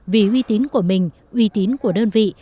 vì uy tín của mình uy tín của đơn vị